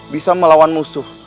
bisa melawan musuh